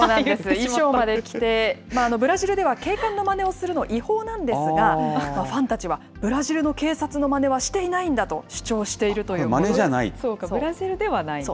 衣装まで着て、ブラジルでは警官のまねをするの、違法なんですが、ファンたちはブラジルの警察の真似はしていないんだと主張しているということでまねじゃないと。